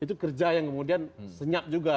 itu kerja yang kemudian senyap juga